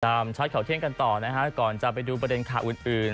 ชัดข่าวเที่ยงกันต่อนะฮะก่อนจะไปดูประเด็นข่าวอื่นอื่น